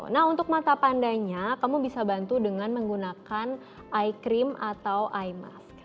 nah untuk mata pandanya kamu bisa bantu dengan menggunakan eye cream atau eye mask